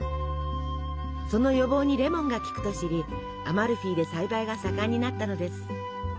その予防にレモンが効くと知りアマルフィで栽培が盛んになったのです。